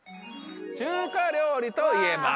中華料理といえば。